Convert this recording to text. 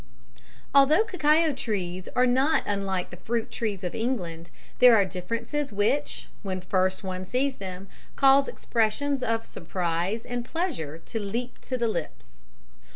_ Although cacao trees are not unlike the fruit trees of England, there are differences which, when first one sees them, cause expressions of surprise and pleasure to leap to the lips.